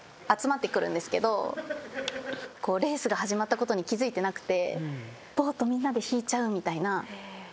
レースが始まったことに気付いてなくて。